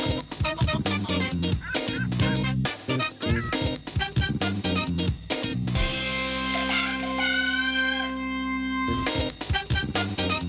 เอาล่ะค่ะไปก็ได้พรุ่งนี้เจอกันสวัสดีค่ะ